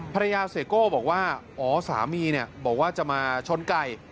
เสียโก้บอกว่าอ๋อสามีเนี่ยบอกว่าจะมาชนไก่